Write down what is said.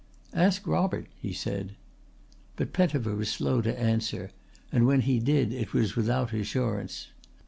"Ask Robert!" he said. But Pettifer was slow to answer, and when he did it was without assurance.